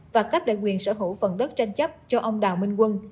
và cấp lại quyền sở hữu phần đất tranh chấp cho ông đào minh quân